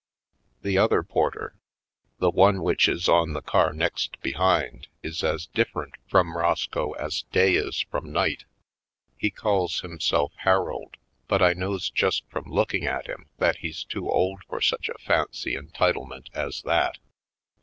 The other porter, the one which is on the car next behind, is as different from Roscoe 30 /. PoindexteVy Colored as day is from night. He calls himself Harold. But I knows just from looking at him that he's too old for such a fancy en titlement as that.